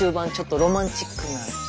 あロマンチックな！